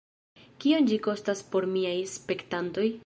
Kiom ĝi kostas por miaj spektantoj?